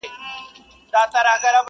بیا اوښتی میکدې ته مي نن پام دی,